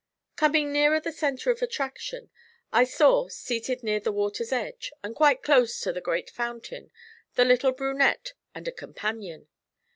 Coming nearer this centre of attraction, I saw, seated near the water's edge, and quite close to the great Fountain, the little brunette and a companion.